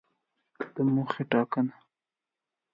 د موخې ټاکنه